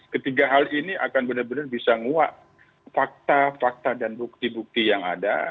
ketiga hal ini akan benar benar bisa nguak fakta fakta dan bukti bukti yang ada